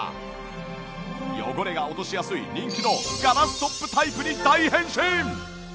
汚れが落としやすい人気のガラストップタイプに大変身！